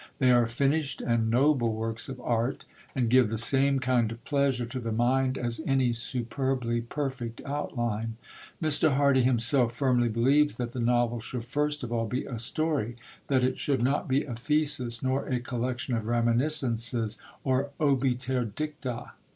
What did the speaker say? They are finished and noble works of art, and give the same kind of pleasure to the mind as any superbly perfect outline. Mr. Hardy himself firmly believes that the novel should first of all be a story: that it should not be a thesis, nor a collection of reminiscences or obiter dicta.